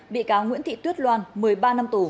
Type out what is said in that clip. bị cáo nguyễn thị tuyết loan một mươi ba năm tù